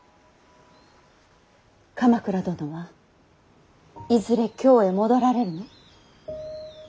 鎌倉殿はいずれ京へ戻られるの？